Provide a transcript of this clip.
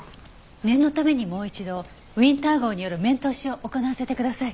念のためにもう一度ウィンター号による面通しを行わせてください。